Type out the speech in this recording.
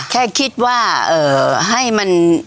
แค่คิดว่าให้มัน